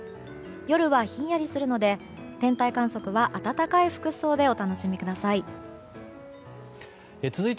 夜はひんやりするので天体観測は暖かい服装でお楽しみください。